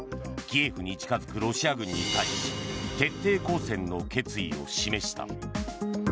キエフに近づくロシア軍に対し徹底抗戦の決意を示した。